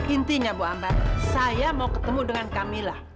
intinya bu ambar saya mau ketemu dengan kamila